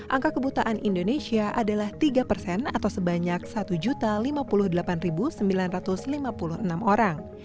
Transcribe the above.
angka kebutaan indonesia adalah tiga persen atau sebanyak satu lima puluh delapan sembilan ratus lima puluh enam orang